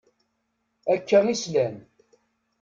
Akka i slan.